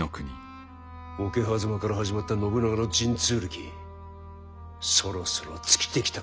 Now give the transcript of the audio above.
桶狭間から始まった信長の神通力そろそろ尽きてきた